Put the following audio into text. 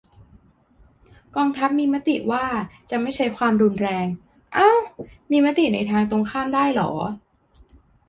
"กองทัพมีมติว่าจะไม่ใช้ความรุนแรง" เอ้า มีมติในทางตรงข้ามได้เหรอ ?